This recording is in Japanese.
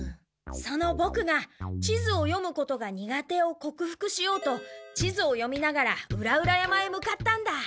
そのボクが地図を読むことが苦手をこく服しようと地図を読みながら裏々山へ向かったんだ。